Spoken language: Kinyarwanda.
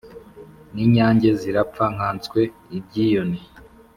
N’inyange zirapfa nkaswe ibyiyoni.